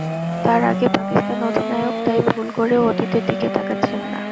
তার আগে পাকিস্তান অধিনায়ক তাই ভুল করেও অতীতের দিকে তাকাচ্ছেন না।